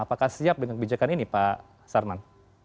apakah siap dengan kebijakan ini pak sarman